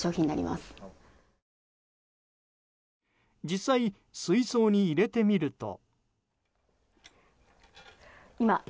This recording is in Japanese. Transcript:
実際、水槽に入れてみると。